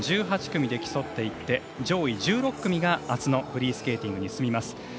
１８組で競っていって、上位１６組があすのフリースケーティングに進みます。